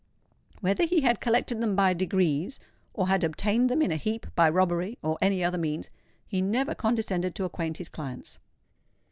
Whether he had collected them by degrees, or had obtained them in a heap by robbery, or any other means, he never condescended to acquaint his clients.